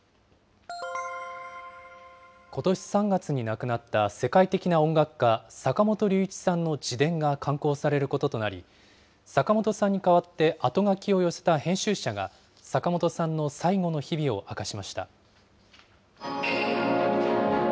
ことし３月に亡くなった世界的な音楽家、坂本龍一さんの自伝が刊行されることとなり、坂本さんに代わってあとがきを寄せた編集者が、坂本さんの最後の日々を明かしました。